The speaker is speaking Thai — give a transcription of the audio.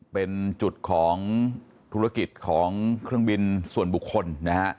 เป็นจุดของธุรกิจของเครื่องบินส่วนบุคคลนะฮะ